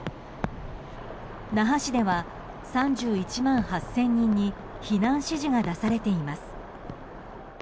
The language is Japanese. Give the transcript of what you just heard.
那覇市では３１万８０００人に避難指示が出されています。